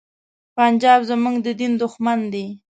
پنجاب زمونږ د دین دښمن دی.